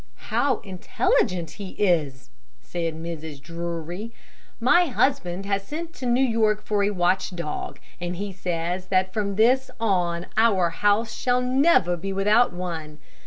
"How intelligent he is," said Mrs. Drury. "My husband has sent to New York for a watchdog, and he says that from this on our house shall never be without one.